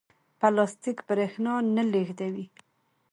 پلاستیک برېښنا نه لېږدوي.